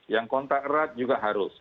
yang kontak erat juga harus